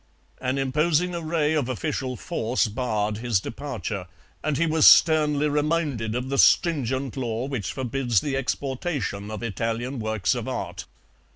An imposing array of official force barred his departure, and he was sternly reminded of the stringent law which forbids the exportation of Italian works of art.